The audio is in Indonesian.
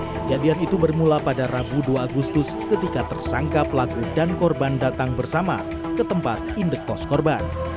kejadian itu bermula pada rabu dua agustus ketika tersangka pelaku dan korban datang bersama ke tempat indekos korban